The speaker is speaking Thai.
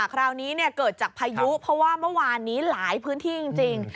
คราวนี้เกิดจากพายุเพราะว่าเมื่อวานนี้หลายพื้นที่จริง